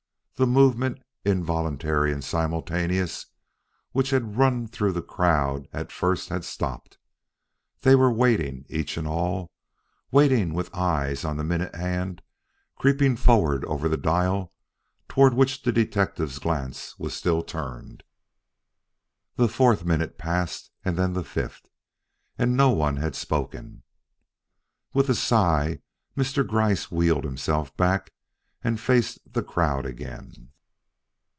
The movement, involuntary and simultaneous, which had run through the crowd at first had stopped. They were waiting each and all waiting with eyes on the minute hand creeping forward over the dial toward which the detective's glance was still turned. The fourth minute passed then the fifth and no one had spoken. With a sigh Mr. Gryce wheeled himself back and faced the crowd again.